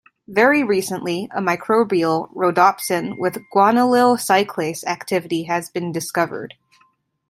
Very recently, a microbial rhodopsin with guanylyl cyclase activity has been discovered.